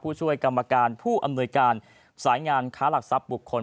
ผู้ช่วยกรรมการผู้อำนวยการสายงานค้าหลักทรัพย์บุคคล